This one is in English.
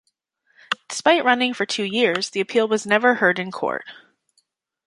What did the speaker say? Despite running for two years, the appeal was never heard in court.